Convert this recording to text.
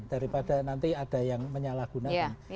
daripada nanti ada yang menyalahgunakan